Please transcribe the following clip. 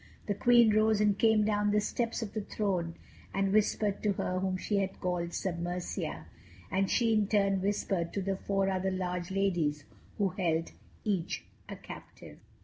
The Queen rose and came down the steps of the throne and whispered to her whom she had called Submersia, and she in turn whispered to the four other large ladies who held, each, a captive.